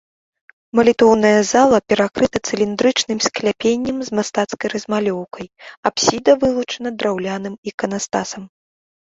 Малітоўная зала перакрыта цыліндрычным скляпеннем з мастацкай размалёўкай, апсіда вылучана драўляным іканастасам.